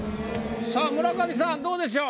さあ村上さんどうでしょう？